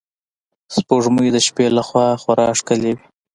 سپوږمۍ د شپې له خوا خورا ښکلی وي